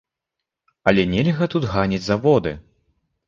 Але нельга тут ганіць заводы.